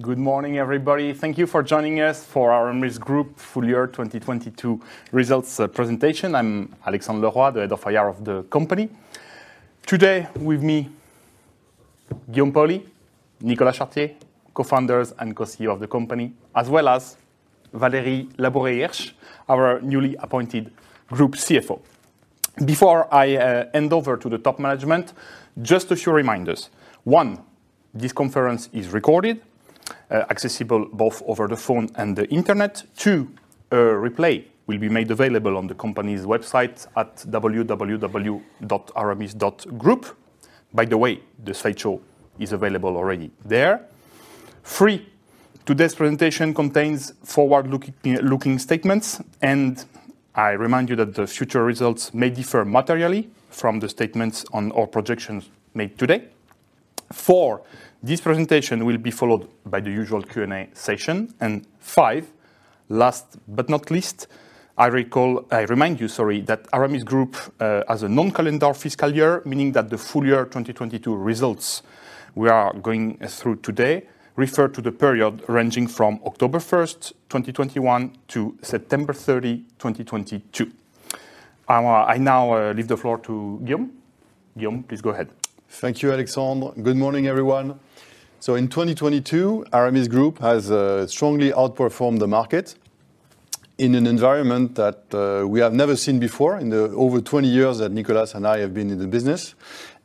Good morning, everybody. Thank you for joining us for Aramis Group full year 2022 results presentation. I'm Alexandre Leroy, the DFIR of the company. Today with me, Guillaume Paoli, Nicolas Chartier, Co-founders and CEO of the company, as well as Valérie Laborde, our newly appointed Group CFO. Before I hand over to the top management, just a few reminders. One, this conference is recorded, accessible both over the phone and the internet. Two, a replay will be made available on the company's website at www.aramis.group. By the way, the slideshow is available already there. Three, today's presentation contains forward-looking statements, I remind you that the future results may differ materially from the statements on all projections made today. Four, this presentation will be followed by the usual Q&A session. Five, last but not least, I recall. I remind you, sorry, that Aramis Group has a non-calendar fiscal year, meaning that the full year 2022 results we are going through today refer to the period ranging from October 1st, 2021 to September 30, 2022. I now leave the floor to Guillaume. Guillaume, please go ahead. Thank you, Alexandre. Good morning, everyone. In 2022, Aramis Group has strongly outperformed the market in an environment that we have never seen before in the over 20 years that Nicolas and I have been in the business.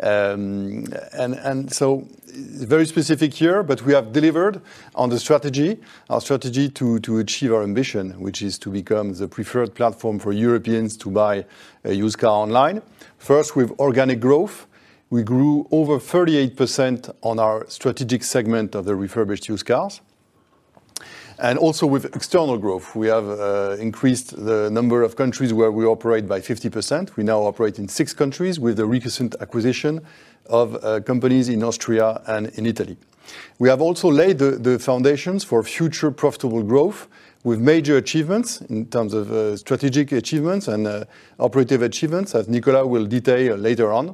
Very specific year, but we have delivered on the strategy, our strategy to achieve our ambition, which is to become the preferred platform for Europeans to buy a used car online. First, with organic growth, we grew over 38% on our strategic segment of the refurbished used cars. Also with external growth, we have increased the number of countries where we operate by 50%. We now operate in 6 countries with the recent acquisition of companies in Austria and in Italy. We have also laid the foundations for future profitable growth with major achievements in terms of strategic achievements and operative achievements, as Nicolas will detail later on.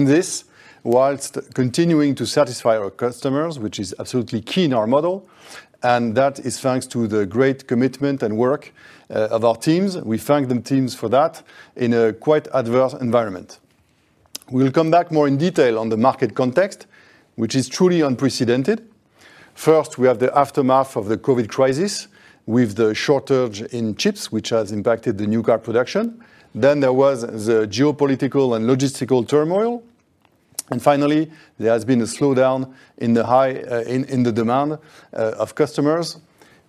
This, whilst continuing to satisfy our customers, which is absolutely key in our model, and that is thanks to the great commitment and work of our teams, we thank them teams for that, in a quite adverse environment. We'll come back more in detail on the market context, which is truly unprecedented. First, we have the aftermath of the COVID crisis with the shortage in chips, which has impacted the new car production. There was the geopolitical and logistical turmoil. Finally, there has been a slowdown in the high demand of customers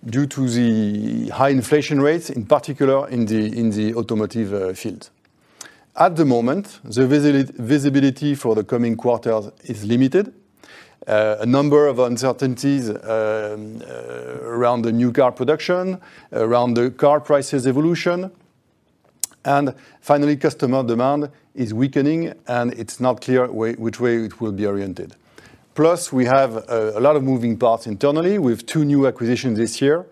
due to the high inflation rates, in particular in the automotive field. At the moment, the visibility for the coming quarters is limited. A number of uncertainties around the new car production, around the car prices evolution. Finally, customer demand is weakening, and it's not clear way, which way it will be oriented. We have a lot of moving parts internally with two new acquisitions this year.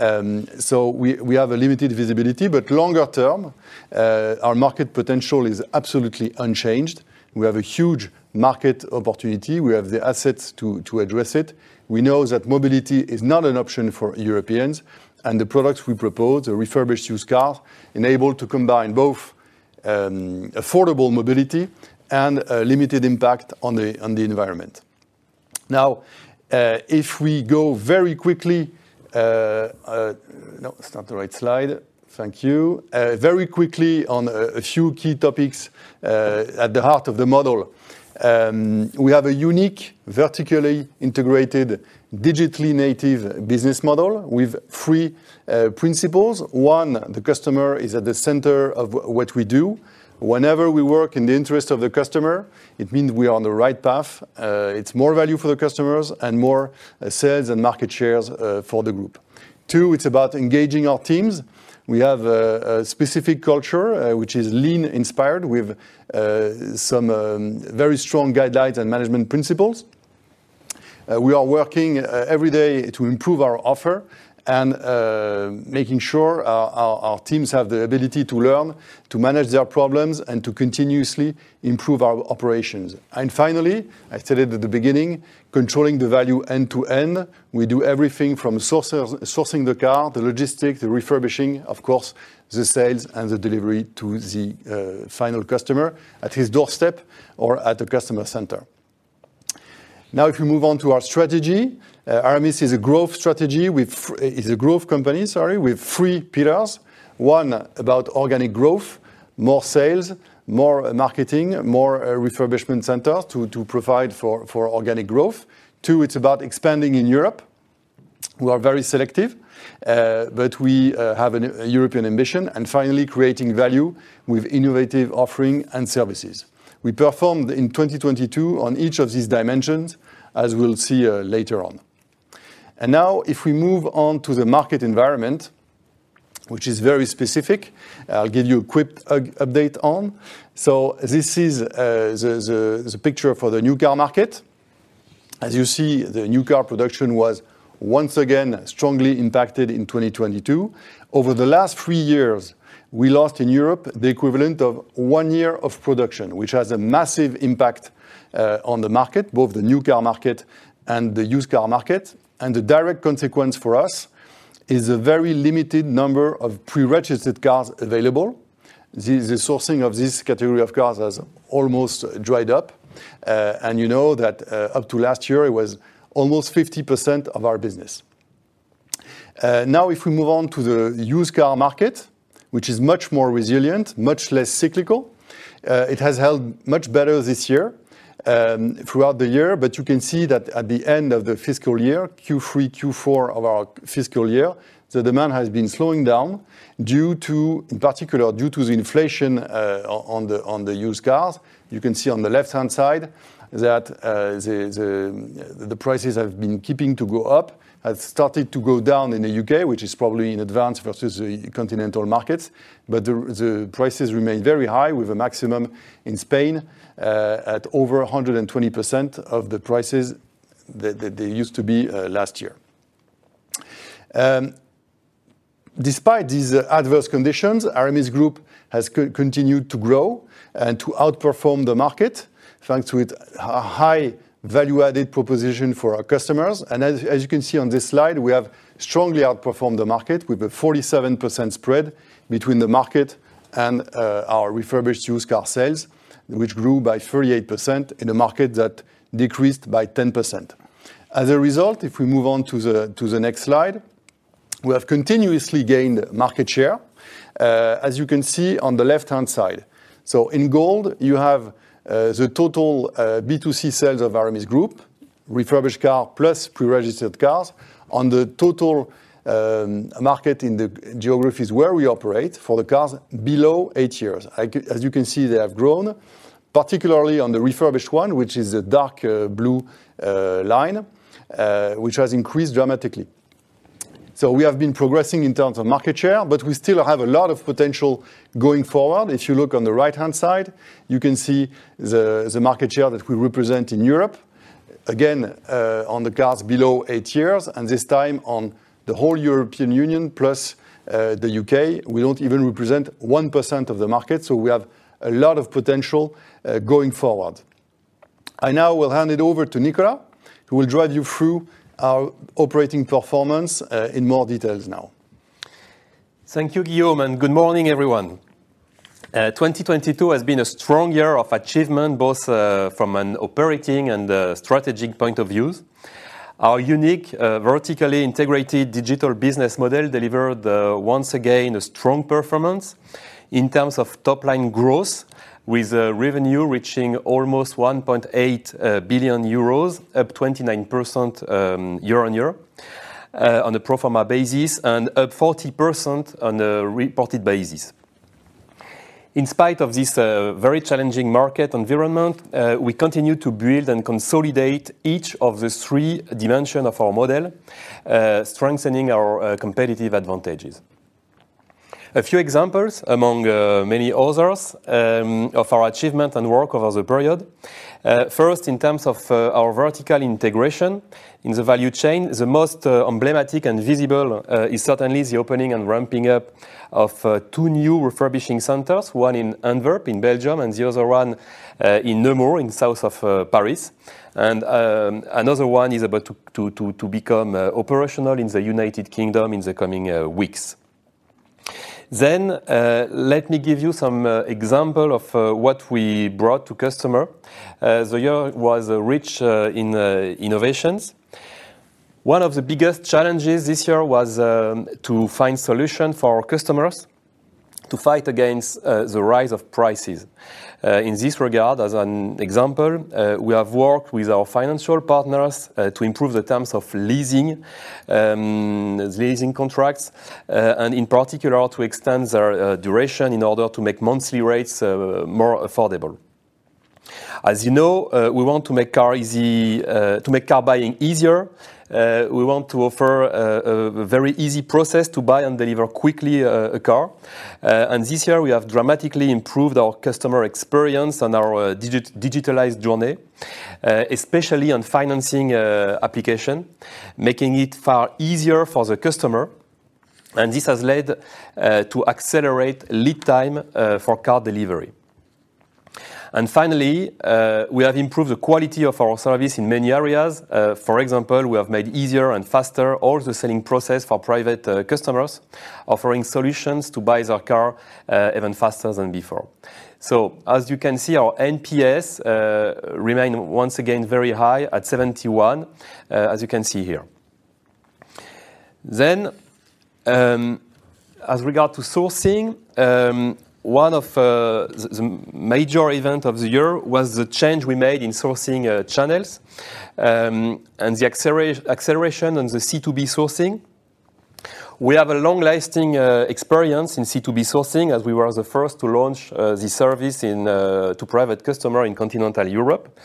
We have a limited visibility. Longer term, our market potential is absolutely unchanged. We have a huge market opportunity. We have the assets to address it. We know that mobility is not an option for Europeans, and the products we propose, a refurbished used car, enable to combine both affordable mobility and a limited impact on the environment. If we go very quickly, No, it's not the right slide. Thank you. Very quickly on a few key topics at the heart of the model. We have a unique, vertically integrated, digitally native business model with three principles. One, the customer is at the center of what we do. Whenever we work in the interest of the customer, it means we are on the right path. It's more value for the customers and more sales and market shares for the group. Two, it's about engaging our teams. We have a specific culture which is lean-inspired with some very strong guidelines and management principles. We are working every day to improve our offer and making sure our teams have the ability to learn, to manage their problems, and to continuously improve our operations. Finally, I stated at the beginning, controlling the value end to end, we do everything from sources, sourcing the car, the logistics, the refurbishing, of course, the sales and the delivery to the final customer at his doorstep or at a customer center. Now, if we move on to our strategy, Aramis is a growth company, sorry, with three pillars. One, about organic growth, more sales, more marketing, more refurbishment centers to provide for organic growth. Two, it's about expanding in Europe. We are very selective, but we have a European ambition. Finally, creating value with innovative offering and services. We performed in 2022 on each of these dimensions, as we'll see later on. Now if we move on to the market environment, which is very specific, I'll give you a quick update on. This is the picture for the new car market. As you see, the new car production was once again strongly impacted in 2022. Over the last three years, we lost in Europe the equivalent of 1 year of production, which has a massive impact on the market, both the new car market and the used car market. The direct consequence for us is a very limited number of pre-registered cars available. The sourcing of this category of cars has almost dried up. You know that, up to last year, it was almost 50% of our business. Now if we move on to the used car market, which is much more resilient, much less cyclical, it has held much better this year throughout the year, but you can see that at the end of the fiscal year, Q3, Q4 of our fiscal year, the demand has been slowing down due to, in particular, due to the inflation on the used cars. You can see on the left-hand side that the prices have been keeping to go up, have started to go down in the UK, which is probably in advance versus the continental markets. The prices remain very high with a maximum in Spain at over 120% of the prices that they used to be last year. Despite these adverse conditions, Aramis Group has continued to grow and to outperform the market, thanks to its high value-added proposition for our customers. As you can see on this slide, we have strongly outperformed the market with a 47% spread between the market and our refurbished used car sales, which grew by 38% in a market that decreased by 10%. As a result, if we move on to the next slide, we have continuously gained market share, as you can see on the left-hand side. In gold, you have the total B2C sales of Aramis Group, refurbished car plus pre-registered cars on the total market in the geographies where we operate for the cars below eight years. As you can see, they have grown, particularly on the refurbished one, which is a dark blue line, which has increased dramatically. We have been progressing in terms of market share, but we still have a lot of potential going forward. If you look on the right-hand side, you can see the market share that we represent in Europe, again, on the cars below eight years, and this time on the whole European Union plus the UK. We don't even represent 1% of the market. We have a lot of potential going forward. I now will hand it over to Nicolas, who will drive you through our operating performance in more details now. Thank you, Guillaume. Good morning, everyone. 2022 has been a strong year of achievement, both from an operating and a strategic point of views. Our unique vertically integrated digital business model delivered once again a strong performance in terms of top-line growth, with revenue reaching almost 1.8 billion euros, up 29% year-over-year on a pro forma basis and up 40% on a reported basis. In spite of this very challenging market environment, we continue to build and consolidate each of the three dimension of our model, strengthening our competitive advantages. A few examples among many others of our achievement and work over the period. First, in terms of our vertical integration in the value chain, the most emblematic and visible is certainly the opening and ramping up of two new refurbishing centers, one in Antwerp in Belgium, and the other one in Nemours, in south of Paris. Another one is about to become operational in the United Kingdom in the coming weeks. Let me give you some example of what we brought to customer, as the year was rich in innovations. One of the biggest challenges this year was to find solution for our customers to fight against the rise of prices. In this regard, as an example, we have worked with our financial partners to improve the terms of leasing contracts, and in particular to extend their duration in order to make monthly rates more affordable. As you know, we want to make car easy to make car buying easier. We want to offer a very easy process to buy and deliver quickly a car. This year we have dramatically improved our customer experience and our digitalized journey, especially on financing application, making it far easier for the customer. This has led to accelerate lead time for car delivery. Finally, we have improved the quality of our service in many areas. For example, we have made easier and faster all the selling process for private customers, offering solutions to buy their car even faster than before. As you can see, our NPS remain once again very high at 71, as you can see here. As regard to sourcing, one of the major event of the year was the change we made in sourcing channels, and the acceleration on the C2B sourcing. We have a long-lasting experience in C2B sourcing, as we were the first to launch the service in to private customer in continental Europe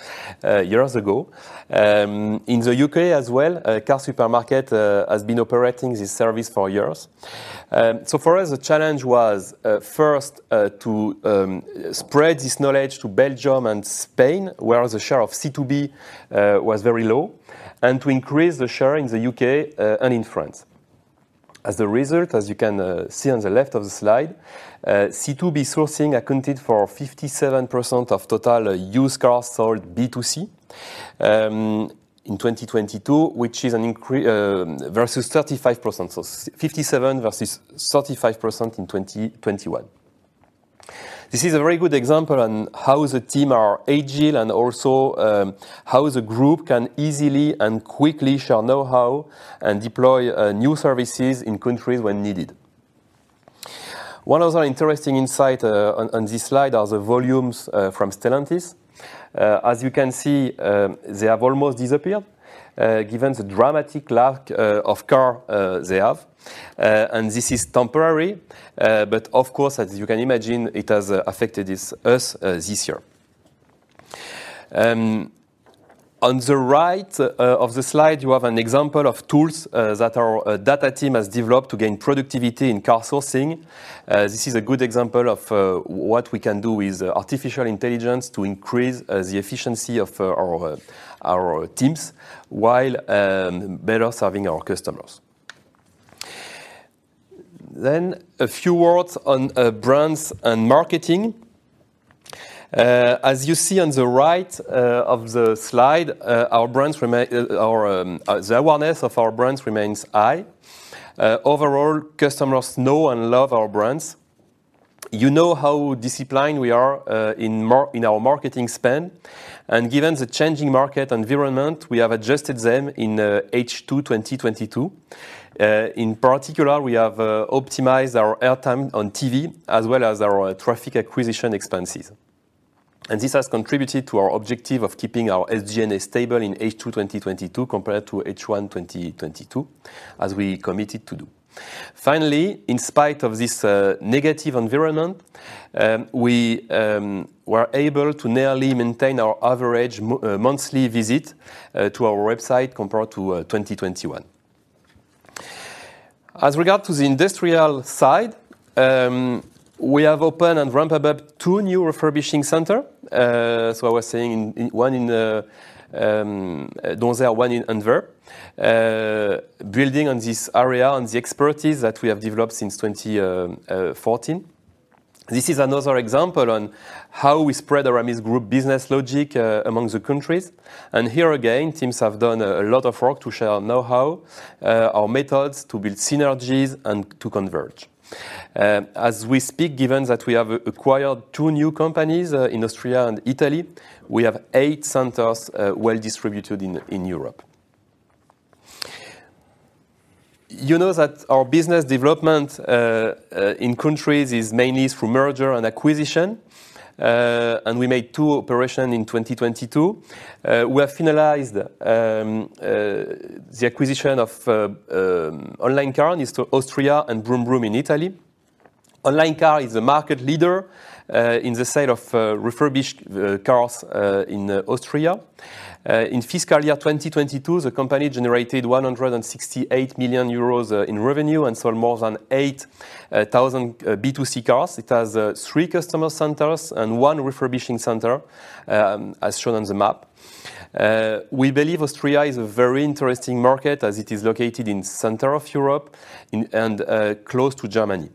years ago. In the UK as well, CarSupermarket has been operating this service for years. For us, the challenge was first to spread this knowledge to Belgium and Spain, where the share of C2B was very low, and to increase the share in the UK and in France. As a result, as you can see on the left of the slide, C2B sourcing accounted for 57% of total used cars sold B2C in 2022, which is an versus 35%. 57% versus 35% in 2021. This is a very good example on how the team are agile and also how the group can easily and quickly share know-how and deploy new services in countries when needed. One other interesting insight on this slide are the volumes from Stellantis. As you can see, they have almost disappeared, given the dramatic lack of car they have. This is temporary, of course, as you can imagine, it has affected us this year. On the right of the slide, you have an example of tools that our data team has developed to gain productivity in car sourcing. This is a good example of what we can do with artificial intelligence to increase the efficiency of our teams while better serving our customers. A few words on brands and marketing. As you see on the right of the slide, the awareness of our brands remains high. Overall, customers know and love our brands. You know how disciplined we are in our marketing spend, given the changing market environment, we have adjusted them in H2 2022. In particular, we have optimized our air time on TV as well as our traffic acquisition expenses. This has contributed to our objective of keeping our SG&A stable in H2 2022 compared to H1 2022, as we committed to do. Finally, in spite of this negative environment, we were able to nearly maintain our average monthly visit to our website compared to 2021. As regard to the industrial side, we have opened and ramped up two new refurbishing center. So I was saying in one in the Donzère, one in Antwerp. Building on this area and the expertise that we have developed since 2014. This is another example on how we spread Aramis Group business logic among the countries. Here again, teams have done a lot of work to share know-how, our methods to build synergies and to converge. As we speak, given that we have acquired two new companies, Austria and Italy, we have eight centers well-distributed in Europe. You know that our business development in countries is mainly through merger and acquisition, and we made two operation in 2022. We have finalized the acquisition of Onlinecars, and Brumbrum in Italy. Onlinecars is a market leader in the sale of refurbished cars in Austria. In fiscal year 2022, the company generated 168 million euros in revenue and sold more than 8,000 B2C cars. It has three customer centers and one refurbishing center, as shown on the map. We believe Austria is a very interesting market as it is located in center of Europe and close to Germany.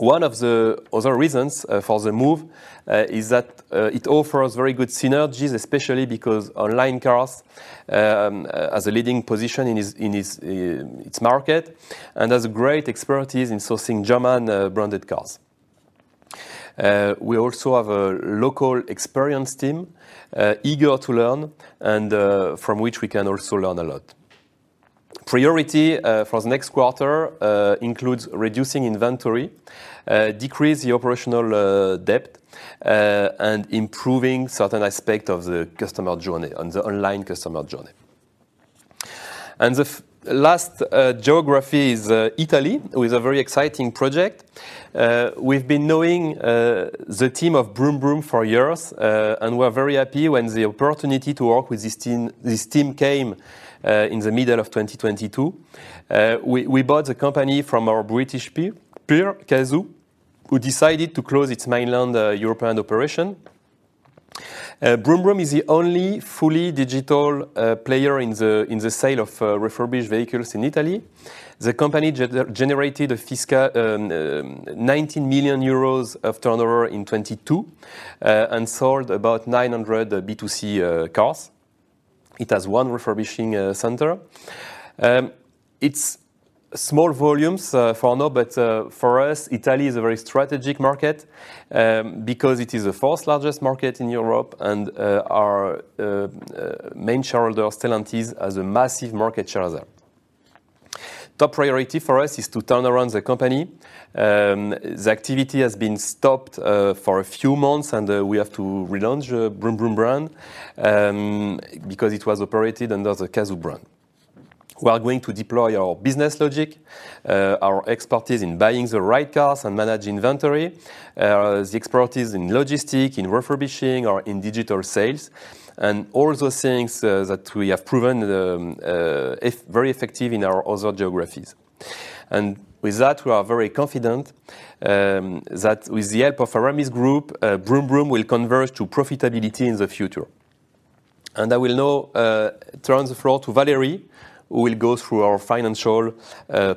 One of the other reasons for the move is that it offers very good synergies, especially because Onlinecars has a leading position in its market and has a great expertise in sourcing German branded cars. We also have a local experienced team eager to learn and from which we can also learn a lot. Priority for the next quarter includes reducing inventory, decrease the operational debt, and improving certain aspect of the customer journey, on the online customer journey. The last geography is Italy, with a very exciting project. We've been knowing the team of Brumbrum for years, and we're very happy when the opportunity to work with this team came in the middle of 2022. We bought the company from our British peer, Cazoo, who decided to close its mainland European operation. Brumbrum is the only fully digital player in the sale of refurbished vehicles in Italy. The company generated a fiscal 19 million euros of turnover in 2022, and sold about 900 B2C cars. It has one refurbishing center. It's small volumes for now, for us, Italy is a very strategic market because it is the fourth largest market in Europe and our main shareholder, Stellantis, has a massive market share there. Top priority for us is to turn around the company. The activity has been stopped for a few months, we have to relaunch the Brumbrum brand because it was operated under the Cazoo brand. We are going to deploy our business logic, our expertise in buying the right cars and manage inventory, the expertise in logistic, in refurbishing, or in digital sales, and all the things that we have proven very effective in our other geographies. With that, we are very confident that with the help of Aramis Group, Brumbrum will converge to profitability in the future. I will now turn the floor to Valérie, who will go through our financial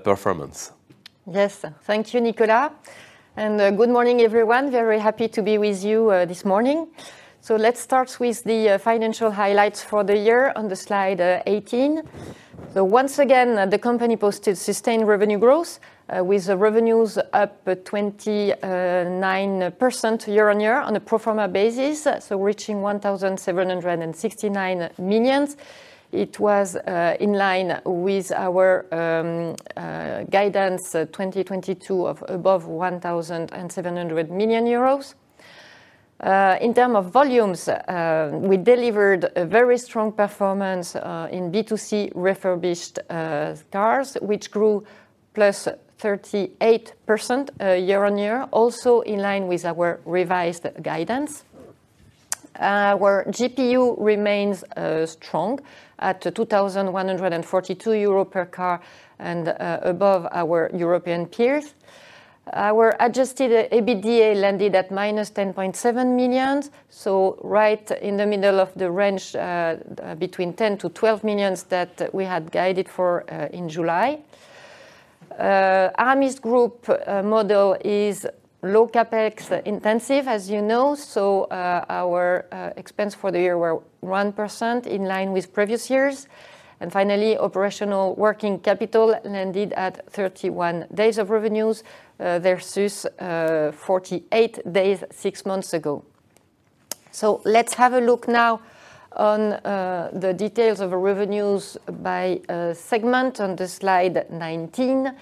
performance. Yes. Thank you, Nicolas. Good morning, everyone. Very happy to be with you this morning. Let's start with the financial highlights for the year on the slide 18. Once again, the company posted sustained revenue growth with the revenues up 29% year-on-year on a pro forma basis, reaching 1,769 million. It was in line with our guidance 2022 of above 1,700 million euros. In term of volumes, we delivered a very strong performance in B2C refurbished cars, which grew +38% year-on-year, also in line with our revised guidance. Our GPU remains strong at 2,142 euros per car and above our European peers. Our adjusted EBITDA landed at -10.7 million, right in the middle of the range, between 10 million-12 million that we had guided for in July. Aramis Group model is low CapEx intensive, as you know, our expense for the year were 1% in line with previous years. Finally, operational working capital landed at 31 days of revenues versus 48 days 6 months ago. Let's have a look now on the details of revenues by segment on slide 19.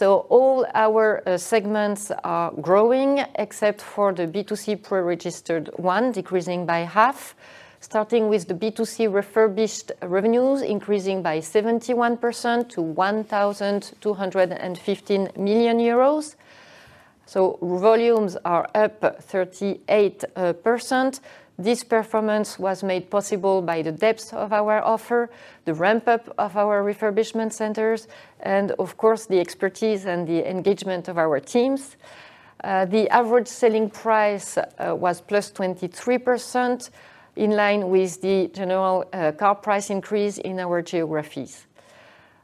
All our segments are growing except for the B2C pre-registered one, decreasing by half, starting with the B2C refurbished revenues increasing by 71% to 1,215 million euros. Volumes are up 38%. This performance was made possible by the depth of our offer, the ramp-up of our refurbishment centers, and of course, the expertise and the engagement of our teams. The average selling price was +23%, in line with the general car price increase in our geographies.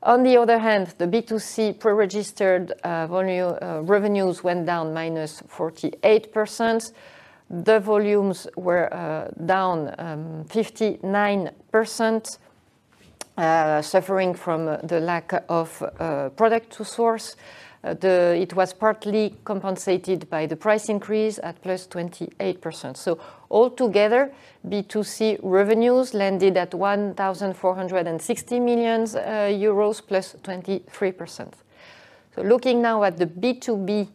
On the other hand, the B2C pre-registered volume revenues went down -48%. The volumes were down 59%, suffering from the lack of product to source. It was partly compensated by the price increase at +28%. All together, B2C revenues landed at 1,460 million euros +23%. Looking now at the B2B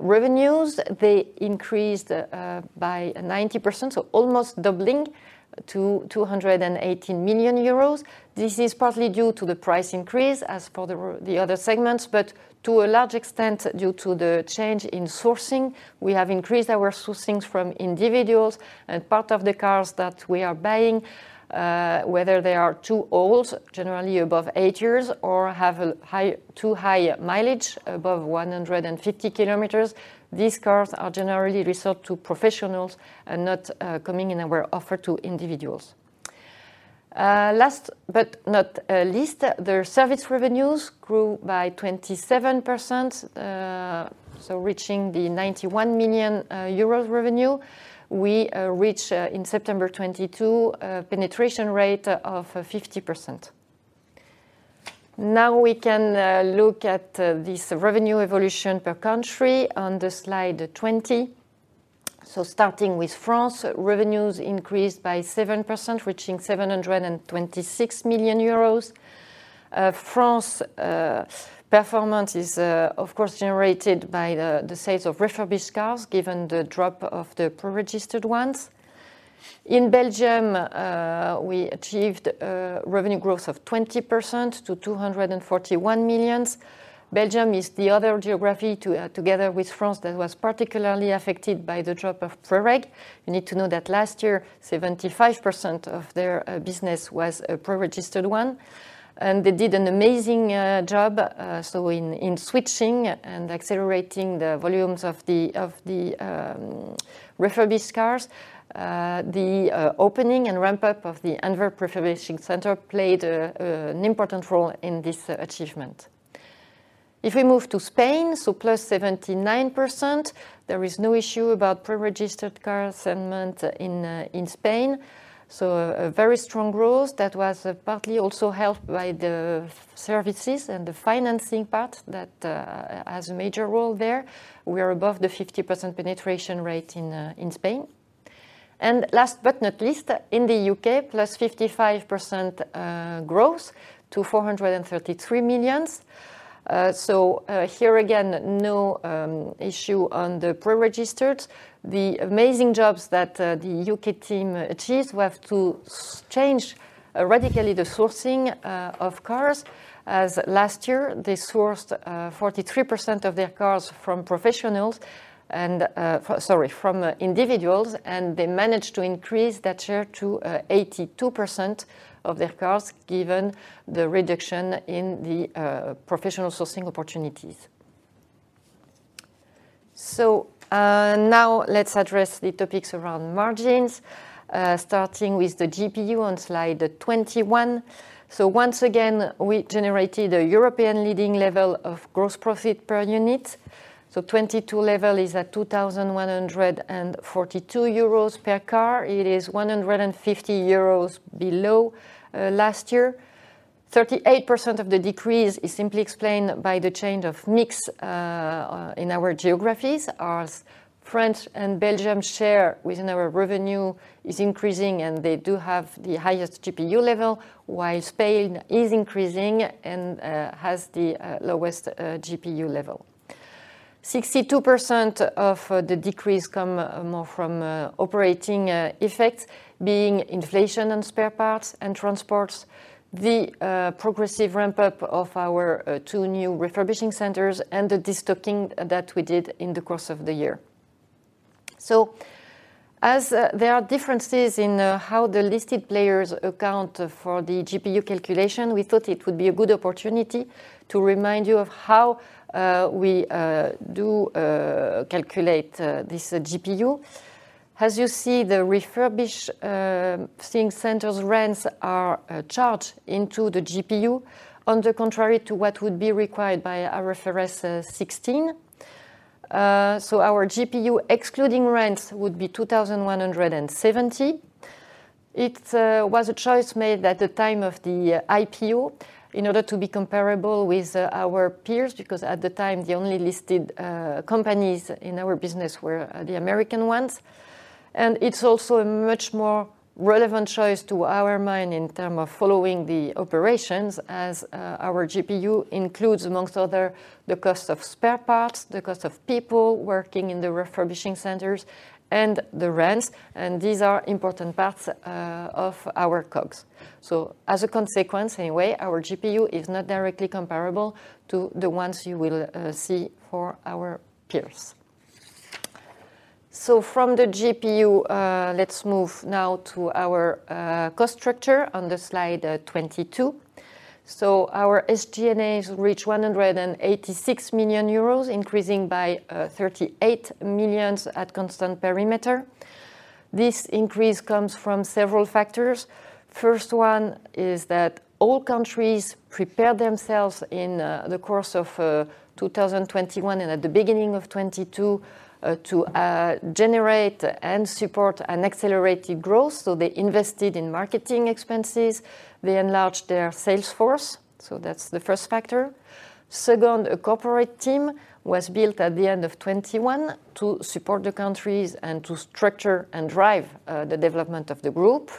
revenues, they increased by 90%, so almost doubling to 218 million euros. This is partly due to the price increase as for the other segments, to a large extent, due to the change in sourcing, we have increased our sourcings from individuals and part of the cars that we are buying, whether they are too old, generally above eight years, or have a too high mileage, above 150 km. These cars are generally reserved to professionals and not coming in our offer to individuals. Last but not least, the service revenues grew by 27%, reaching the 91 million euros revenue. We reach in September 2022, a penetration rate of 50%. We can look at this revenue evolution per country on slide 20. Starting with France, revenues increased by 7%, reaching 726 million euros. France, performance is, of course, generated by the sales of refurbished cars, given the drop of the pre-registered ones. In Belgium, we achieved a revenue growth of 20% to 241 million. Belgium is the other geography to, together with France, that was particularly affected by the drop of pre-reg. You need to know that last year, 75% of their business was a pre-registered one. They did an amazing job in switching and accelerating the volumes of the refurbished cars. The opening and ramp-up of the Antwerp Refurbishing Center played an important role in this achievement. If we move to Spain, so +79%, there is no issue about pre-registered car segment in Spain. A very strong growth that was partly also helped by the services and the financing part that has a major role there. We are above the 50% penetration rate in Spain. Last but not least, in the UK, plus 55% growth to 433 million. here again, no issue on the pre-registered. The amazing jobs that the UK team achieved were to change radically the sourcing of cars, as last year, they sourced 43% of their cars from professionals and sorry, from individuals, and they managed to increase that share to 82% of their cars, given the reduction in the professional sourcing opportunities. Now let's address the topics around margins, starting with the GPU on slide 21. Once again, we generated a European leading level of gross profit per unit. 2022 level is at 2,142 euros per car. It is 150 euros below last year. 38% of the decrease is simply explained by the change of mix in our geographies. Our French and Belgium share within our revenue is increasing, and they do have the highest GPU level, while Spain is increasing and has the lowest GPU level. 62% of the decrease come more from operating effects, being inflation and spare parts and transports, the progressive ramp up of our two new refurbishing centers and the destocking that we did in the course of the year. As there are differences in how the listed players account for the GPU calculation, we thought it would be a good opportunity to remind you of how we do calculate this GPU. As you see, the refurbishing centers rents are charged into the GPU, on the contrary to what would be required by IFRS 16. Our GPU excluding rents would be 2,170. It was a choice made at the time of the IPO in order to be comparable with our peers, because at the time, the only listed companies in our business were the American ones. It's also a much more relevant choice to our mind in term of following the operations, as our GPU includes, amongst other, the cost of spare parts, the cost of people working in the refurbishing centers and the rents. These are important parts of our costs. As a consequence, anyway, our GPU is not directly comparable to the ones you will see for our peers. From the GPU, let's move now to our cost structure on the slide 22. Our SG&A reach 186 million euros, increasing by 38 million at constant perimeter. This increase comes from several factors. First one is that all countries prepared themselves in the course of 2021 and at the beginning of 2022, to generate and support an accelerated growth. They invested in marketing expenses. They enlarged their sales force. That's the first factor. Second, a corporate team was built at the end of 21 to support the countries and to structure and drive the development of the group.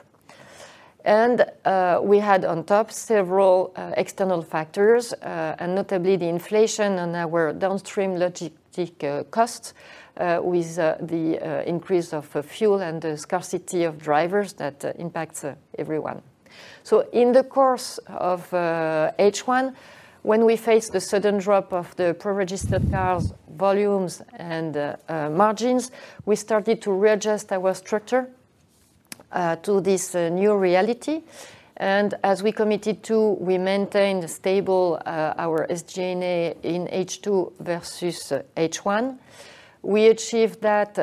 We had on top several external factors, and notably the inflation on our downstream logistic costs, with the increase of fuel and the scarcity of drivers that impacts everyone. In the course of H1, when we faced the sudden drop of the pre-registered cars, volumes and margins, we started to readjust our structure to this new reality. As we committed to, we maintained stable our SG&A in H2 versus H1. We achieved that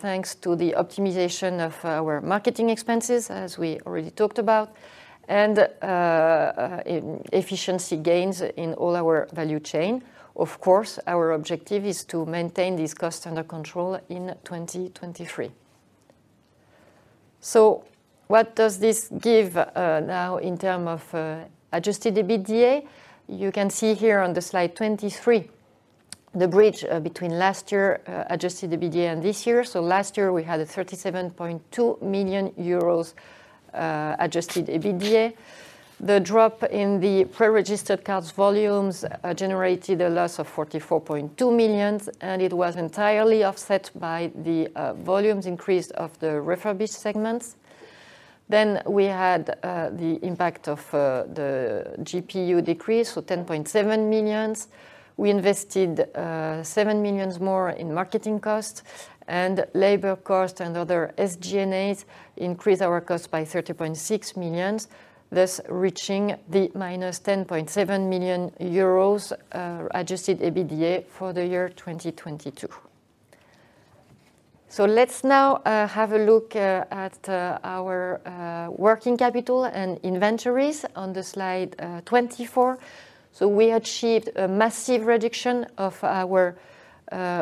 thanks to the optimization of our marketing expenses, as we already talked about, and efficiency gains in all our value chain. Of course, our objective is to maintain this cost under control in 2023. What does this give now in term of Adjusted EBITDA? You can see here on the slide 23, the bridge between last year Adjusted EBITDA and this year. Last year we had a 37.2 million euros Adjusted EBITDA. The drop in the pre-registered cars volumes generated a loss of 44.2 million, and it was entirely offset by the volumes increase of the refurbished segments. We had the impact of the GPU decrease, so 10.7 million. We invested 7 million more in marketing costs, and labor cost and other SG&A increased our cost by 30.6 million, thus reaching the minus 10.7 million euros Adjusted EBITDA for the year 2022. Let's now have a look at our working capital and inventories on the slide 24. We achieved a massive reduction of our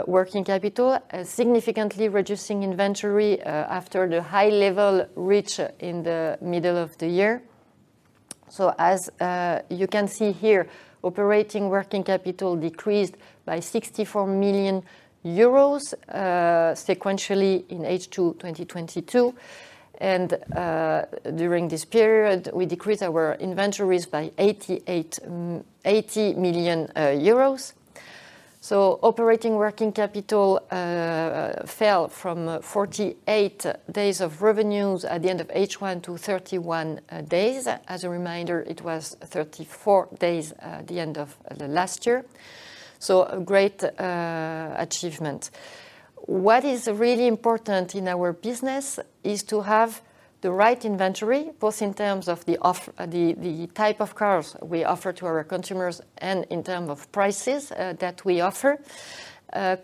working capital, significantly reducing inventory after the high level reach in the middle of the year. As you can see here, operating working capital decreased by 64 million euros sequentially in H2 2022. During this period, we decreased our inventories by 80 million euros. Operating working capital fell from 48 days of revenues at the end of H1 to 31 days. As a reminder, it was 34 days at the end of last year. A great achievement. What is really important in our business is to have the right inventory, both in terms of the type of cars we offer to our consumers and in term of prices that we offer.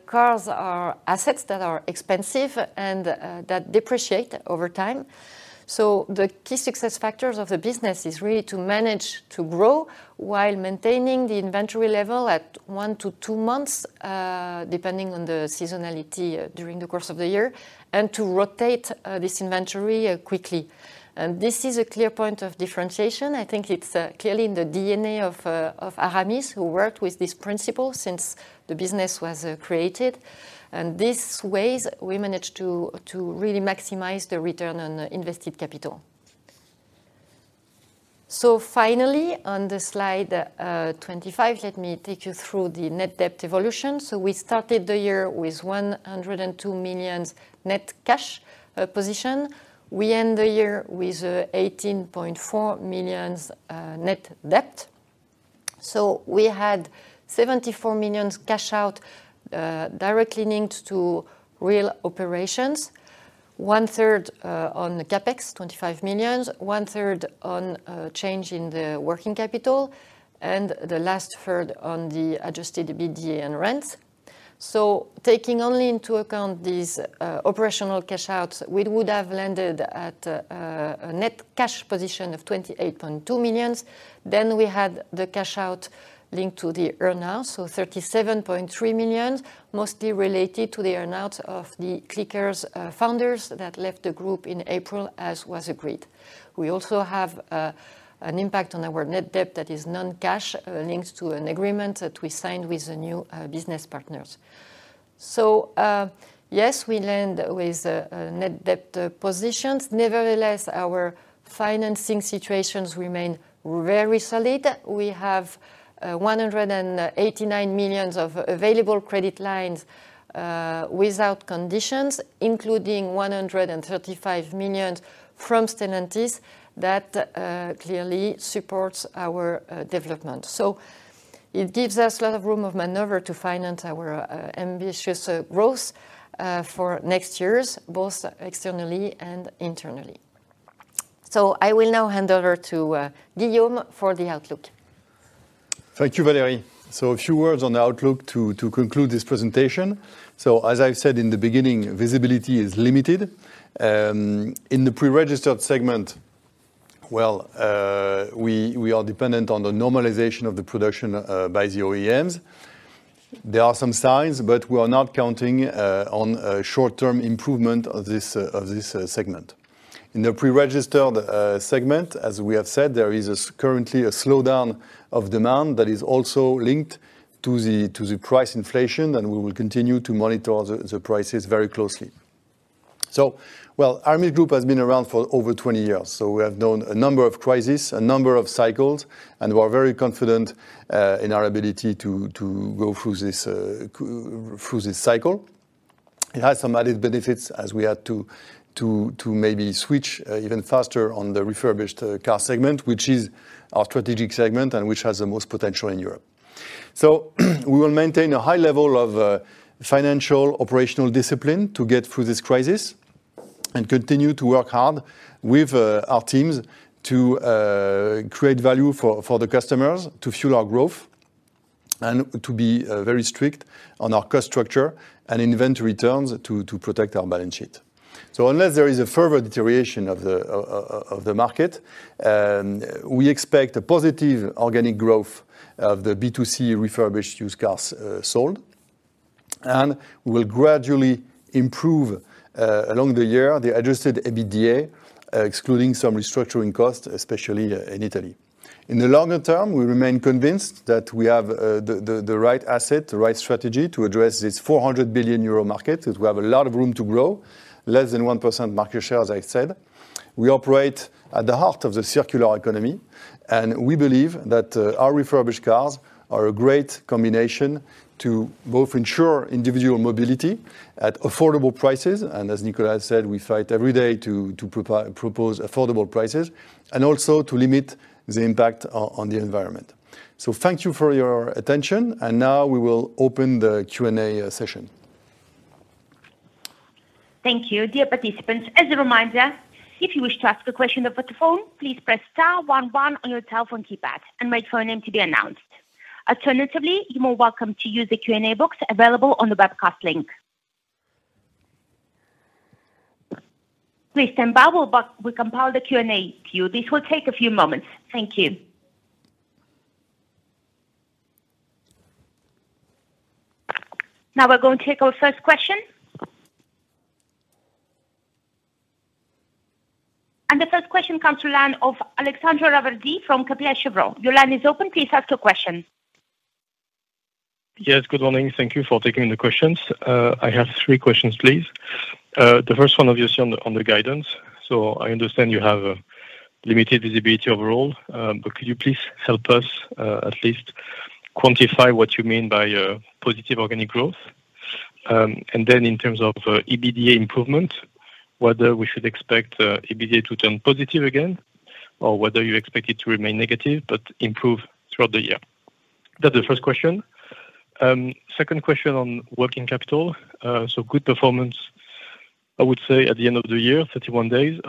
Cars are assets that are expensive and that depreciate over time. The key success factors of the business is really to manage to grow while maintaining the inventory level at one to two months, depending on the seasonality during the course of the year, and to rotate this inventory quickly. This is a clear point of differentiation. I think it's clearly in the DNA of Aramis, who worked with this principle since the business was created. This ways we managed to really maximize the return on invested capital. Finally, on the slide 25, let me take you through the net debt evolution. We started the year with 102 million net cash position. We end the year with 18.4 million net debt. We had 74 million cash out directly linked to real operations. One third on CapEx, 25 million. One third on change in the working capital, and the last third on the Adjusted EBITDA and rents. Taking only into account these operational cash outs, we would have landed at a net cash position of 28.2 million. We had the cash out linked to the earn out, 37.3 million, mostly related to the earn out of the Clicars founders that left the group in April as was agreed. We also have an impact on our net debt that is non-cash, linked to an agreement that we signed with the new business partners. Yes, we land with a net debt positions. Nevertheless, our financing situations remain very solid. We have 189 million of available credit lines without conditions, including 135 million from Stellantis that clearly supports our development. It gives us a lot of room of maneuver to finance our ambitious growth for next years, both externally and internally. I will now hand over to Guillaume Paoli for the outlook. Thank you, Valérie. A few words on outlook to conclude this presentation. As I said in the beginning, visibility is limited. In the preregistered segment, we are dependent on the normalization of the production by the OEMs. There are some signs, but we are not counting on a short-term improvement of this segment. In the preregistered segment, as we have said, there is currently a slowdown of demand that is also linked to the price inflation, and we will continue to monitor the prices very closely. Aramis Group has been around for over 20 years, so we have known a number of crises, a number of cycles, and we're very confident in our ability to go through this cycle. It has some added benefits as we had to maybe switch even faster on the refurbished car segment, which is our strategic segment and which has the most potential in Europe. We will maintain a high level of financial operational discipline to get through this crisis and continue to work hard with our teams to create value for the customers to fuel our growth and to be very strict on our cost structure and inventory turns to protect our balance sheet. Unless there is a further deterioration of the market, we expect a positive organic growth of the B2C refurbished used cars sold. We will gradually improve along the year, the Adjusted EBITDA, excluding some restructuring costs, especially in Italy. In the longer term, we remain convinced that we have the right asset, the right strategy to address this 400 billion euro market, as we have a lot of room to grow. Less than 1% market share, as I said. We operate at the heart of the circular economy, and we believe that our refurbished cars are a great combination to both ensure individual mobility at affordable prices, and as Nicolas said, we fight every day to propose affordable prices, and also to limit the impact on the environment. Thank you for your attention. Now we will open the Q&A session. Thank you. Dear participants, as a reminder, if you wish to ask a question over the phone, please press star one one on your telephone keypad and wait for your name to be announced. Alternatively, you are more welcome to use the Q&A box available on the webcast link. Please stand by while we compile the Q&A to you. This will take a few moments. Thank you. We're going to take our first question. The first question comes to line of Alexandre Réveret from CIC Market Solutions. Your line is open. Please ask your question. Yes, good morning. Thank you for taking the questions. I have three questions, please. The first one, obviously on the, on the guidance. I understand you have limited visibility overall, but could you please help us at least quantify what you mean by positive organic growth? Then in terms of EBITDA improvement, whether we should expect EBITDA to turn positive again or whether you expect it to remain negative but improve throughout the year? That's the first question. Second question on working capital. Good performance, I would say, at the end of the year, 31 days.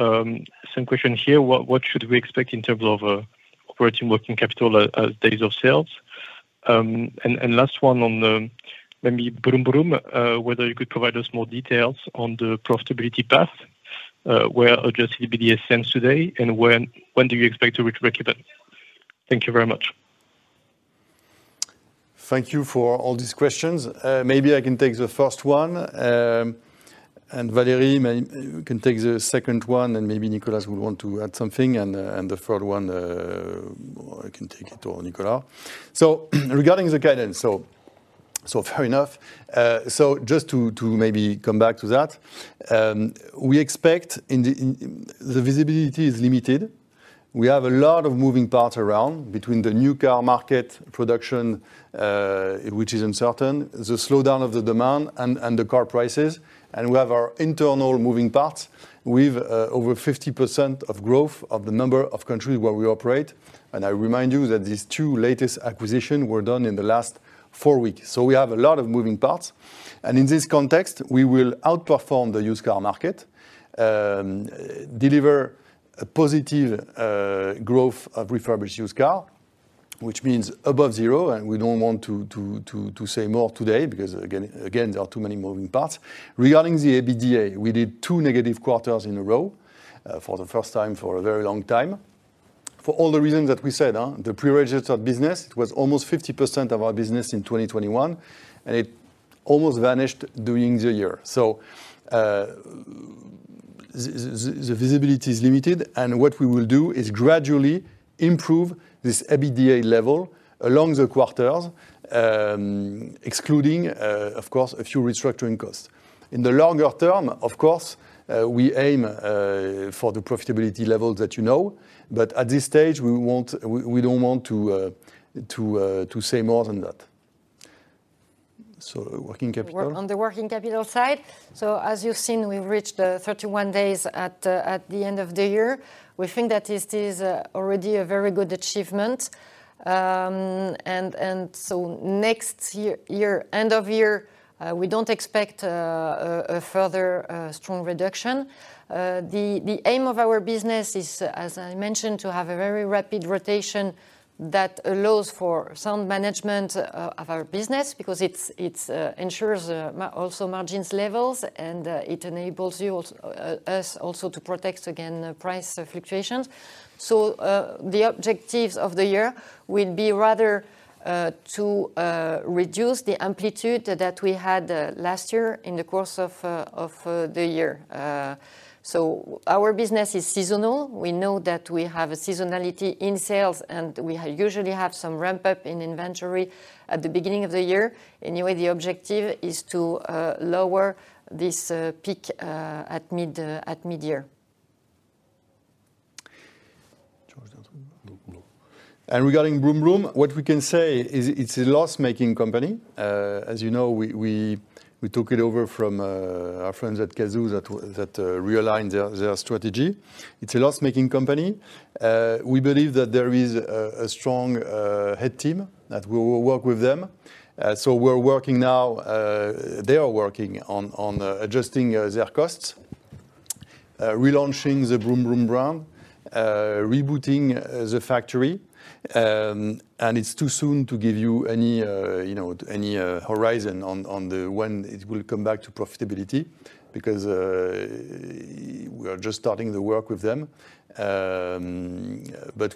Same question here, what should we expect in terms of operating working capital, days of sales? Last one on the, maybe Brumbrum, whether you could provide us more details on the profitability path, where Adjusted EBITDA stands today and when do you expect to reach breakeven? Thank you very much. Thank you for all these questions. Maybe I can take the first one. And Valérie can take the second one, and maybe Nicolas would want to add something. The third one, or I can take it, or Nicolas. Regarding the guidance, fair enough. Just to maybe come back to that, we expect. The visibility is limited. We have a lot of moving parts around between the new car market production, which is uncertain, the slowdown of the demand and the car prices, and we have our internal moving parts. We've over 50% of growth of the number of countries where we operate. I remind you that these 2 latest acquisition were done in the last 4 weeks. We have a lot of moving parts. In this context, we will outperform the used car market, deliver a positive growth of refurbished used car, which means above zero. We don't want to say more today because again, there are too many moving parts. Regarding the EBITDA, we did two negative quarters in a row for the first time for a very long time. For all the reasons that we said, huh, the pre-registered business was almost 50% of our business in 2021, and it almost vanished during the year. The visibility is limited, and what we will do is gradually improve this EBITDA level along the quarters, excluding, of course, a few restructuring costs. In the longer term, of course, we aim for the profitability level that you know, but at this stage we want...we don't want to say more than that. Working capital. On the working capital side, as you've seen, we've reached 31 days at the end of the year. We think that it is already a very good achievement. Next year, end of year, we don't expect a further strong reduction. The aim of our business is, as I mentioned, to have a very rapid rotation that allows for sound management of our business because it ensures also margins levels, and it enables us also to protect against price fluctuations. The objectives of the year will be rather to reduce the amplitude that we had last year in the course of the year. Our business is seasonal. We know that we have a seasonality in sales, and we usually have some ramp-up in inventory at the beginning of the year. The objective is to lower this peak at mid-year. George, do you want to? No. Regarding Brumbrum, what we can say is it's a loss-making company. As you know, we took it over from our friends at Cazoo that realigned their strategy. It's a loss-making company. We believe that there is a strong head team that we will work with them. We're working now, they are working on adjusting their costs, relaunching the Brumbrum brand, rebooting the factory. It's too soon to give you any, you know, horizon on when it will come back to profitability because we are just starting the work with them.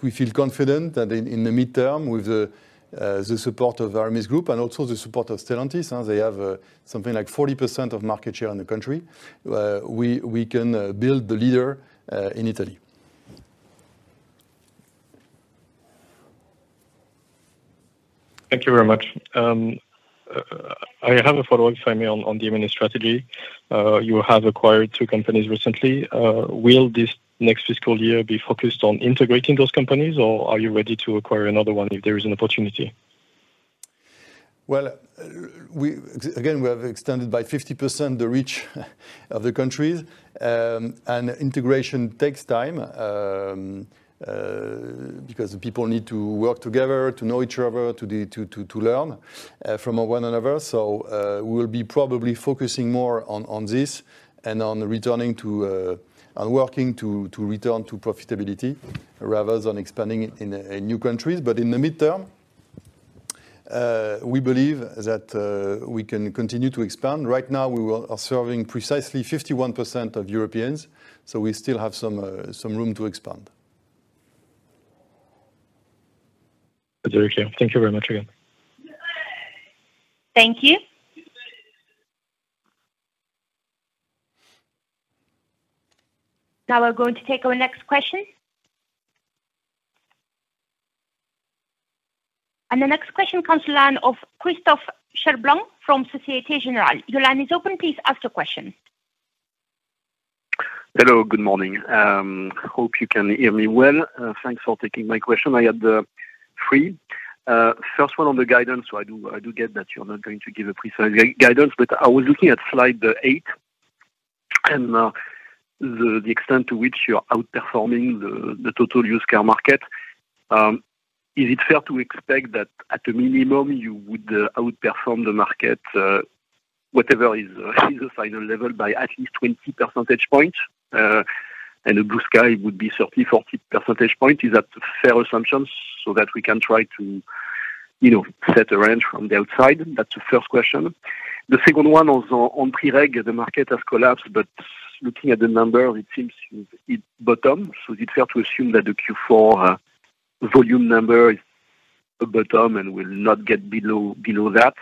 We feel confident that in the midterm, with the support of Aramis Group and also the support of Stellantis, huh, they have something like 40% of market share in the country, we can build the leader in Italy. Thank you very much. I have a follow-up for me on the M&A strategy. You have acquired two companies recently. Will this next fiscal year be focused on integrating those companies, or are you ready to acquire another one if there is an opportunity? Well, again, we have extended by 50% the reach of the countries, and integration takes time, because people need to work together, to know each other, to learn from one another. We'll be probably focusing more on this and on returning to, on working to return to profitability rather than expanding in new countries. In the midterm, we believe that we can continue to expand. Right now, we are serving precisely 51% of Europeans, we still have some room to expand. That's very clear. Thank you very much again. Thank you. Now we're going to take our next question. The next question comes to line of Christophe Chaput from Société Générale. Your line is open. Please ask your question. Hello, good morning. Hope you can hear me well. Thanks for taking my question. I have three. First one on the guidance. I do get that you're not going to give a precise guidance, but I was looking at slide 8. The extent to which you are outperforming the total used car market, is it fair to expect that at a minimum you would outperform the market, whatever is the final level by at least 20 percentage points? The blue sky would be 30, 40 percentage point. Is that fair assumptions so that we can try to, you know, set a range from the outside? That's the first question. The second one on pre-reg, the market has collapsed, looking at the number, it seems it bottomed. Is it fair to assume that the Q4 volume number is a bottom and will not get below that?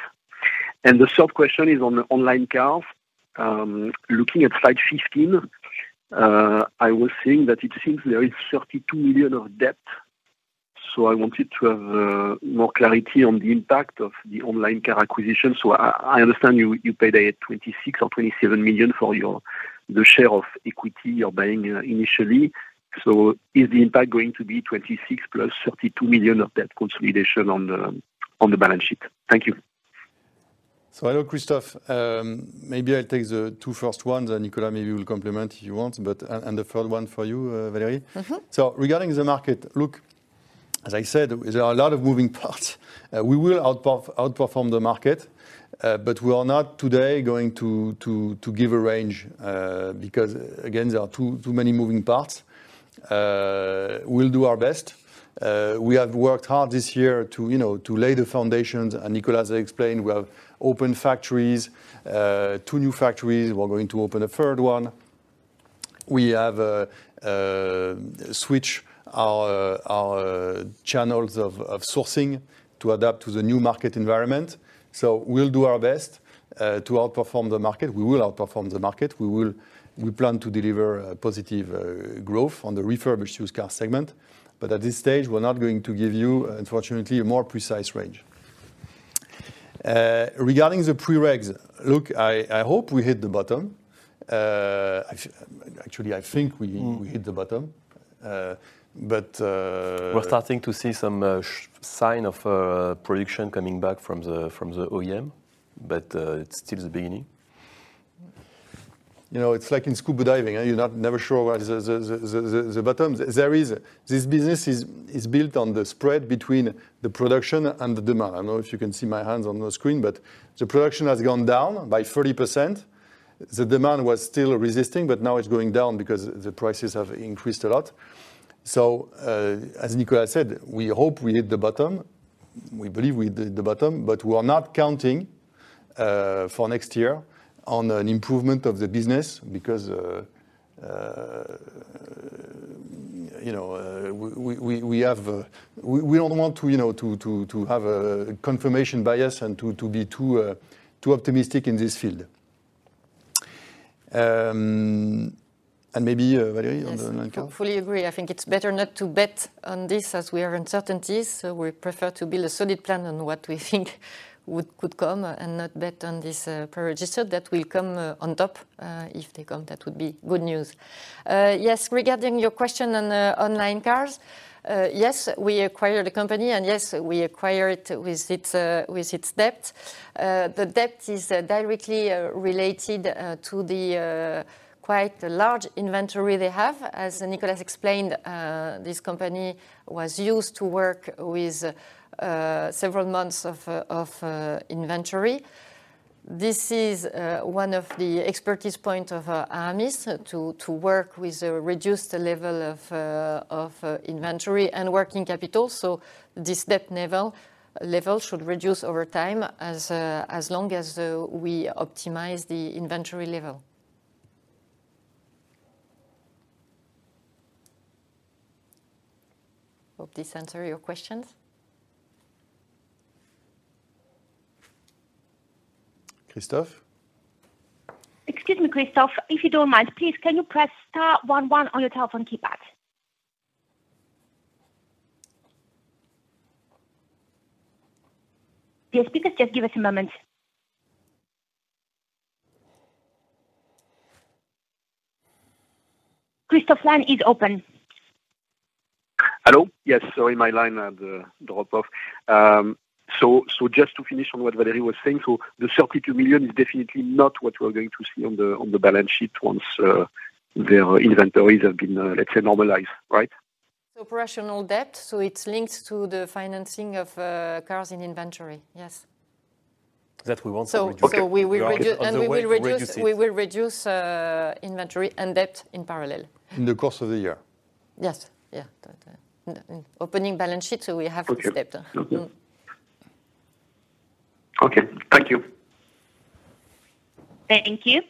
The sub question is on Onlinecars. Looking at slide 15, I was seeing that it seems there is 32 million of debt. I wanted to have more clarity on the impact of the Onlinecars acquisition. I understand you paid 26 million or 27 million for the share of equity you're buying initially. Is the impact going to be 26 million plus 32 million of debt consolidation on the balance sheet? Thank you. Hello, Christophe. Maybe I take the two first ones, and Nicolas maybe will complement if you want. And the third one for you, Valérie. Mm-hmm. Regarding the market, look, as I said, there are a lot of moving parts. We will outperform the market, but we are not today going to give a range, because again, there are too many moving parts. We'll do our best. We have worked hard this year to, you know, to lay the foundations. Nicolas explained, we have opened factories, two new factories. We're going to open a third one. We have switch our channels of sourcing to adapt to the new market environment. We'll do our best to outperform the market. We will outperform the market. We plan to deliver positive growth on the refurbished used car segment. At this stage we're not going to give you, unfortunately, a more precise range. Regarding the pre-regs, look, I hope we hit the bottom. Actually, I think we hit the bottom. But We're starting to see some sign of production coming back from the OEM, but it's still the beginning. You know, it's like in scuba diving, you're not never sure where the bottom. There is. This business is built on the spread between the production and the demand. I don't know if you can see my hands on the screen, the production has gone down by 30%. The demand was still resisting, now it's going down because the prices have increased a lot. As Nicolas said, we hope we hit the bottom. We believe we did the bottom, we are not counting for next year on an improvement of the business because, you know, we have, we don't want to, you know, to have a confirmation bias and to be too optimistic in this field. Maybe Valérie on the online car. Yes, I fully agree. I think it's better not to bet on this as we are uncertainties. We prefer to build a solid plan on what we think could come and not bet on this pre-register that will come on top. If they come, that would be good news. Yes, regarding your question on Onlinecars, yes, we acquired the company and yes, we acquire it with its debt. The debt is directly related to the quite large inventory they have. As Nicolas explained, this company was used to work with several months of inventory. This is one of the expertise point of Aramis to work with a reduced level of inventory and working capital. This debt level should reduce over time as long as, we optimize the inventory level. Hope this answer your questions. Christophe? Excuse me, Christophe, if you don't mind, please can you press star one one on your telephone keypad? Yes, please just give us a moment. Christophe, line is open. Hello. Yes. Sorry, my line had dropped off. Just to finish on what Valérie was saying, the 32 million is definitely not what we are going to see on the balance sheet once their inventories have been, let's say, normalized, right? Operational debt, so it's linked to the financing of cars in inventory. Yes. That we want to reduce. We will. We are actually on the way to reduce it. We will reduce inventory and debt in parallel. In the course of the year. Yes. Yeah. Opening balance sheet, so we have this debt. Okay. Thank you. Thank you.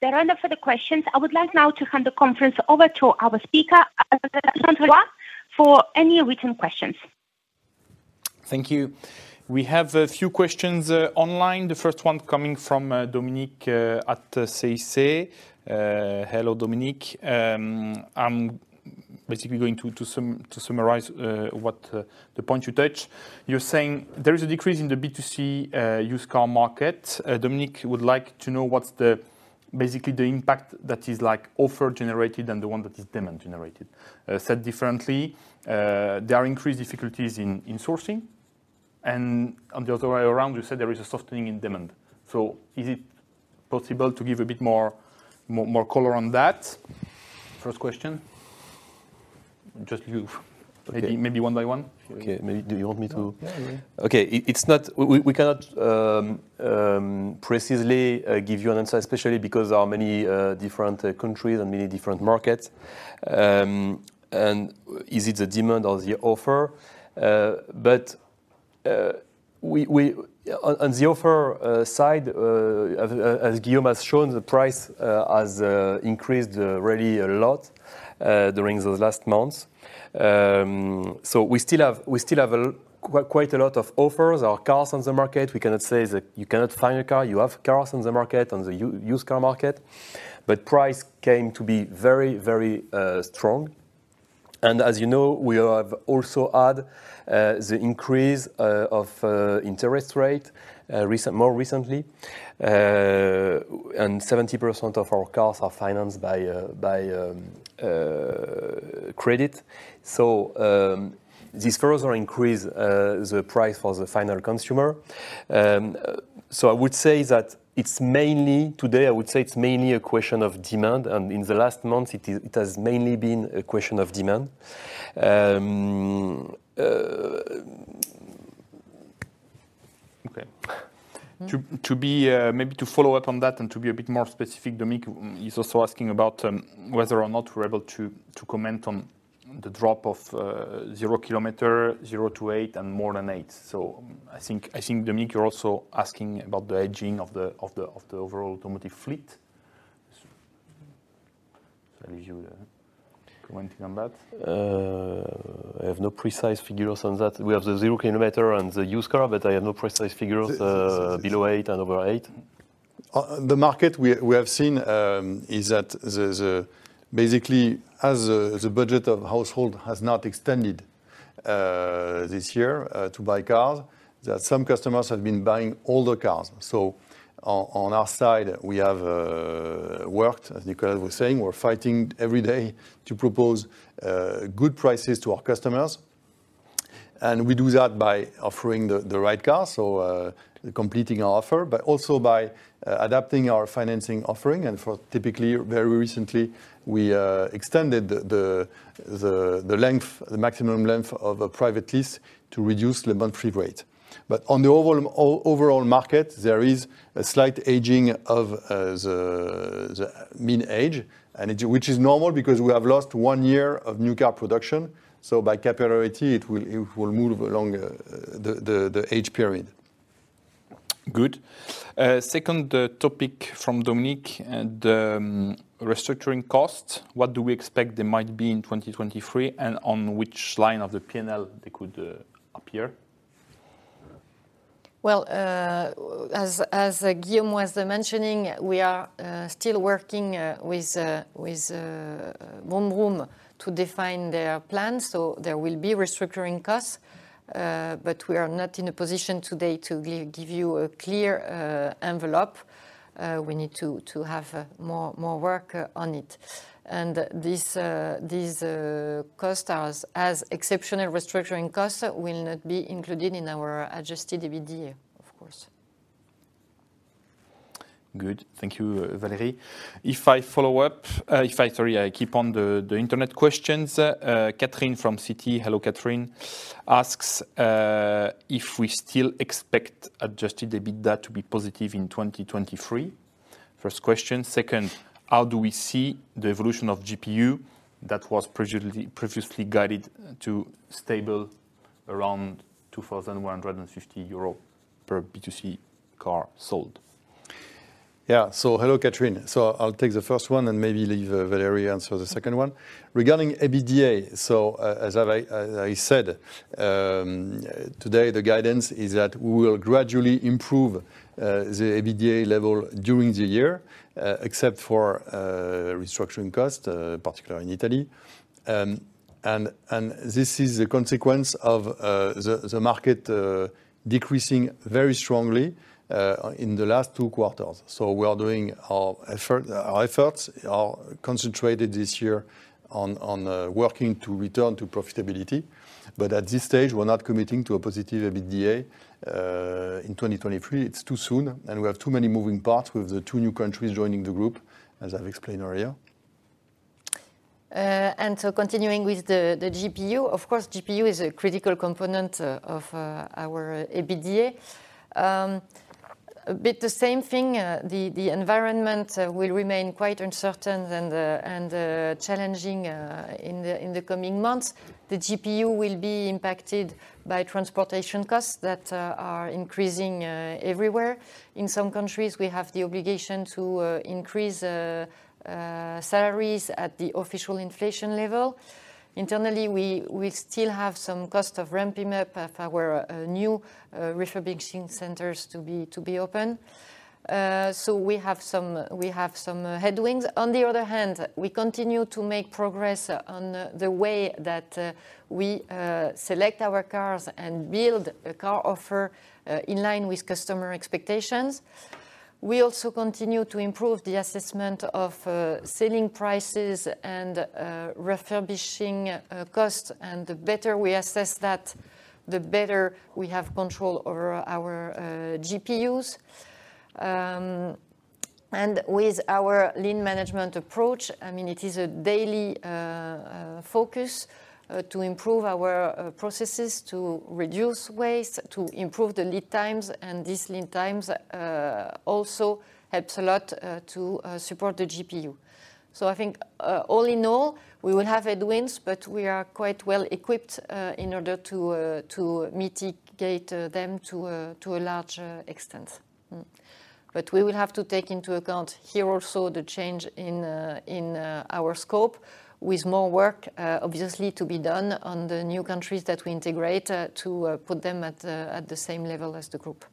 There are no further questions. I would like now to hand the conference over to our speaker, Francois, for any written questions. Thank you. We have a few questions online. The first one coming from Dominique Cauchi at CIC. Hello, Dominic. I'm basically going to summarize what the point you touch. You're saying there is a decrease in the B2C used car market. Dominic would like to know what's basically the impact that is like offer generated and the one that is demand generated. Said differently, there are increased difficulties in sourcing On the other way around, you said there is a softening in demand. Is it possible to give a bit more color on that? First question. Just you. Okay. Maybe one by one. Okay. Maybe... Do you want me to? Yeah, yeah. Okay. We cannot precisely give you an answer, especially because there are many different countries and many different markets. Is it the demand or the offer? On the offer side, as Guillaume has shown, the price has increased really a lot during those last months. We still have quite a lot of offers or cars on the market. We cannot say that you cannot find a car. You have cars on the market, on the used car market. Price came to be very, very strong. As you know, we have also had the increase of interest rate more recently. 70% of our cars are financed by credit. This further increase the price for the final consumer. I would say that it's mainly... Today, I would say it's mainly a question of demand, and in the last months, it has mainly been a question of demand. Okay. To be, Maybe to follow up on that and to be a bit more specific, Dominic is also asking about whether or not we're able to comment on the drop of 0 kilometer, 0 to 8, and more than 8. I think, Dominic, you're also asking about the aging of the overall automotive fleet. If you have a comment on that. I have no precise figures on that. We have the zero kilometer and the used car, but I have no precise figures. Z-... below eight and over eight. The market we have seen is that the budget of household has not extended this year to buy cars, that some customers have been buying older cars. On our side, we have worked, as Nicolas was saying, we're fighting every day to propose good prices to our customers. We do that by offering the right car, so completing our offer, but also by adapting our financing offering. For typically, very recently, we extended the length, the maximum length of a private lease to reduce the monthly rate. On the overall market, there is a slight aging of the mean age. Which is normal because we have lost one year of new car production, so by capacity it will move along, the age period. Good. Second topic from Dominik, restructuring costs. What do we expect they might be in 2023, and on which line of the P&L they could appear? As Guillaume was mentioning, we are still working with Brumbrum to define their plans, so there will be restructuring costs. We are not in a position today to give you a clear envelope. We need to have more work on it. These costs as exceptional restructuring costs will not be included in our Adjusted EBITDA, of course. Good. Thank you, Valérie. If I follow up, Sorry, I keep on the internet questions. Catherine from Citi, hello Catherine, asks if we still expect Adjusted EBITDA to be positive in 2023? First question. Second, how do we see the evolution of GPU that was previously guided to stable around 2,150 euro per B2C car sold? Yeah. Hello, Catherine. I'll take the first one and maybe leave Valérie answer the second one. Regarding EBITDA, as I said, today, the guidance is that we will gradually improve the EBITDA level during the year, except for restructuring costs, particularly in Italy. This is a consequence of the market decreasing very strongly in the last two quarters. We are doing our effort, our efforts are concentrated this year on working to return to profitability. At this stage, we're not committing to a positive EBITDA in 2023. It's too soon, and we have too many moving parts with the two new countries joining the group, as I've explained earlier. Continuing with the GPU, of course, GPU is a critical component of our EBITDA. A bit the same thing. The environment will remain quite uncertain and challenging in the coming months. The GPU will be impacted by transportation costs that are increasing everywhere. In some countries, we have the obligation to increase salaries at the official inflation level. Internally, we still have some cost of ramping up our new refurbishing centers to be open. We have some headwinds. On the other hand, we continue to make progress on the way that we select our cars and build a car offer in line with customer expectations. We also continue to improve the assessment of selling prices and refurbishing costs. The better we assess that, the better we have control over our GPUs. With our lean management approach, I mean it is a daily focus to improve our processes to reduce waste, to improve the lead times. These lean times also helps a lot to support the GPU. I think, all in all, we will have headwinds, but we are quite well equipped in order to mitigate them to a large extent. We will have to take into account here also the change in our scope with more work obviously to be done on the new countries that we integrate to put them at the same level as the group.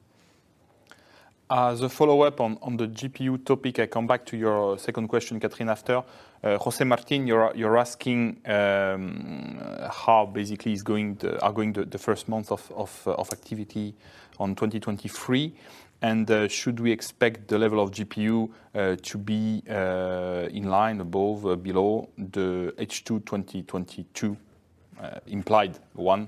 As a follow-up on the GPU topic, I come back to your second question, Catherine, after. Jose Martin, you're asking how basically is going the first month of activity on 2023. Should we expect the level of GPU to be in line above or below the H-2 2022 implied one?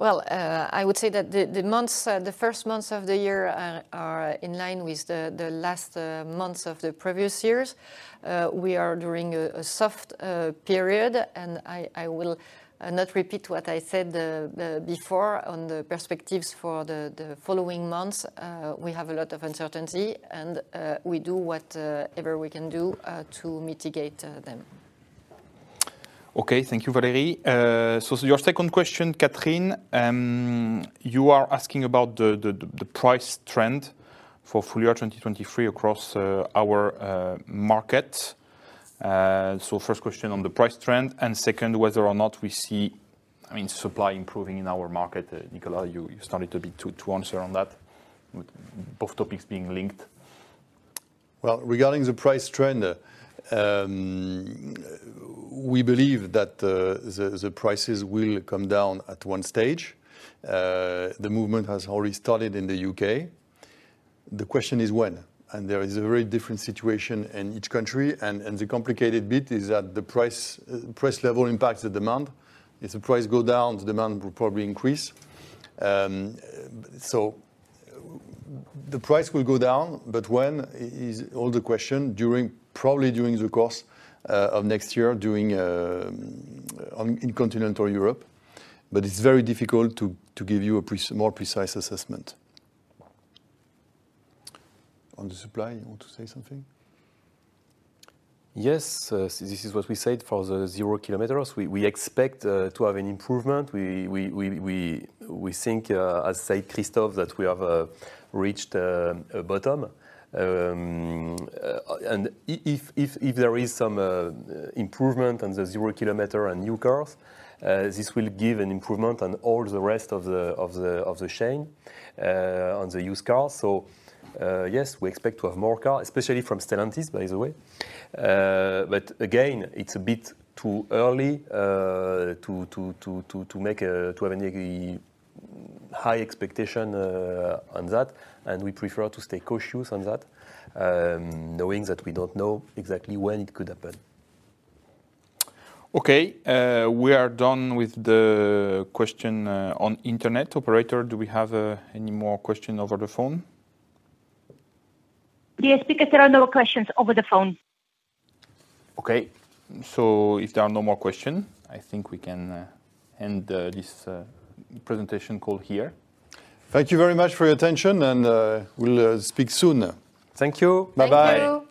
I would say that the months, the first months of the year, are in line with the last months of the previous years. We are during a soft period. I will not repeat what I said before on the perspectives for the following months. We have a lot of uncertainty. We do whatever we can do to mitigate them. Okay. Thank you, Valérie. Your second question, Catherine, you are asking about the price trend for full year 2023 across our market. First question on the price trend, and second, whether or not we see, I mean, supply improving in our market. Nicolas, you started a bit to answer on that with both topics being linked. Well, regarding the price trend, we believe that the prices will come down at one stage. The movement has already started in the UK. The question is when. There is a very different situation in each country. The complicated bit is that the price level impacts the demand. If the price go down, the demand will probably increase. The price will go down, but when is all the question. Probably during the course of next year, in continental Europe. It's very difficult to give you a more precise assessment. On the supply, you want to say something? Yes. This is what we said for the 0 kilometers. We expect to have an improvement. We think, as say Christophe, that we have reached a bottom. If there is some improvement on the 0 kilometer and new cars, this will give an improvement on all the rest of the chain, on the used cars. Yes, we expect to have more car, especially from Stellantis, by the way. Again, it's a bit too early to make a, to have any high expectation on that. We prefer to stay cautious on that, knowing that we don't know exactly when it could happen. Okay. We are done with the question on internet. Operator, do we have any more question over the phone? Yes, because there are no questions over the phone. Okay. If there are no more questions, I think we can end this presentation call here. Thank you very much for your attention, and, we'll, speak soon. Thank you. Bye-bye. Thank you.